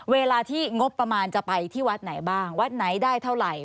เวลาที่งบประมาณจะไปที่วัดไหนบ้างวัดไหนได้เท่าไหร่